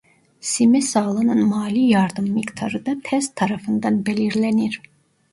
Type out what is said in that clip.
Sim'e sağlanan mali yardım miktarı da test tarafından belirlenir.